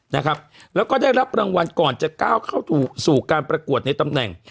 นะครับแล้วก็ได้รับรางวัลก่อนจะก้าวเข้าสู่การประกวดในตำแหน่ง